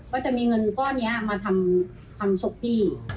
ก็จะมีเงินตั้งคะมาทำศพพี่